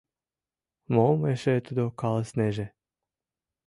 Мом эше тудо каласынеже?